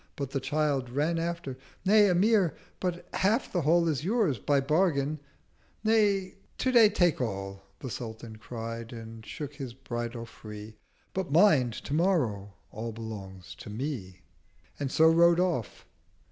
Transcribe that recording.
But the Child Ran after—'Nay, Amir, but half the Haul Is yours by Bargain'—'Nay, Today take all,' The Sultan cried, and shook his Bridle free—180 'But mind—Tomorrow All belongs to Me—' And so rode off.